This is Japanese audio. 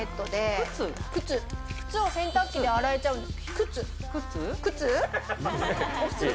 靴を洗濯機で洗えちゃうんです。